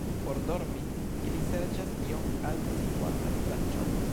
Por dormi ili serĉas iom alte situantan branĉon.